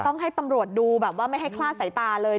ต้องให้ตำรวจดูแบบว่าไม่ให้คลาดสายตาเลย